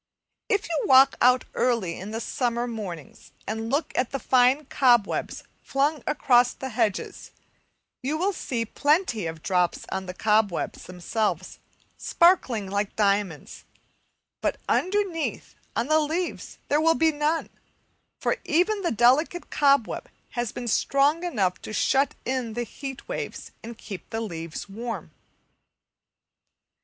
If you walk out early in the summer mornings and look at the fine cobwebs flung across the hedges, you will see plenty of drops on the cobwebs themselves sparkling like diamonds; but underneath on the leaves there will be none, for even the delicate cobweb has been strong enough to shut in the heat waves and keep the leaves warm.